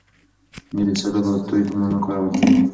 نیز د سیلاب او توی په مانا کارول کېږي.